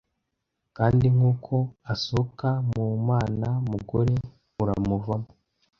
kandi nkuko asohoka mu mana mugore uramuvamo